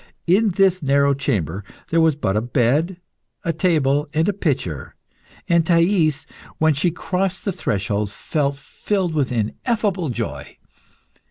In this narrow chamber there was but a bed, a table, and a pitcher, and Thais when she crossed the threshold, felt filled with ineffable joy.